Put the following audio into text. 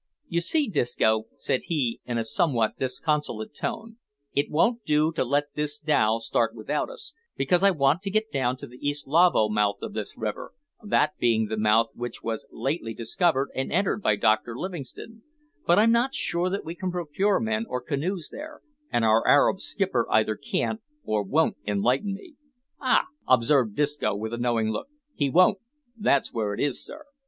"You see, Disco," said he, in a somewhat disconsolate tone, "it won't do to let this dhow start without us, because I want to get down to the East Luavo mouth of this river, that being the mouth which was lately discovered and entered by Dr Livingstone; but I'm not sure that we can procure men or canoes there, and our Arab skipper either can't or won't enlighten me." "Ah!" observed Disco, with a knowing look, "he won't that's where it is, sir.